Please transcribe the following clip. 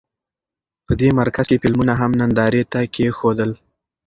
په دې مرکز کې فلمونه هم نندارې ته کېښودل.